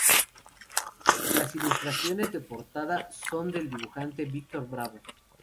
Las ilustraciones de portada son del dibujante Víctor Bravo.